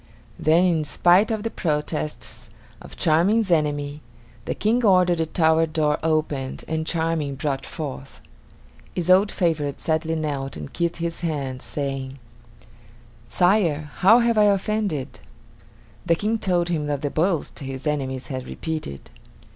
Then, in spite of the protests of Charming's enemies, the King ordered the tower door opened and Charming brought forth. His old favorite sadly knelt and kissed his hand, saying: "Sire, how have I offended?" The King told him of the boast his enemies had repeated.